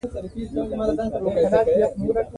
سبزیجات بدن ته ویټامینونه ورکوي.